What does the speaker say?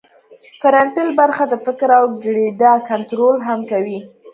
فرنټل برخه د فکر او ګړیدا کنترول هم کوي